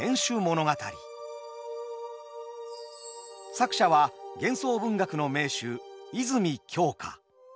作者は幻想文学の名手泉鏡花。